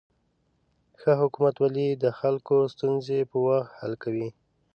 ښه حکومتولي د خلکو ستونزې په وخت حل کوي.